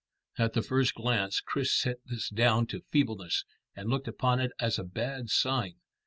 At the first glance Chris set this down to feebleness, and looked upon it as a bad sign.